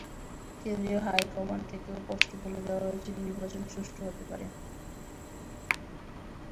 কেন্দ্রীয় high command থেকেও স্পষ্ট বলে দেওয়া হয়েছে নির্বাচন সুষ্ঠু হতে হবে।